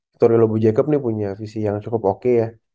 victor lobo jacob nih punya visi yang cukup oke ya